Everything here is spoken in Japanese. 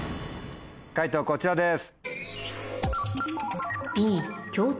解答こちらです。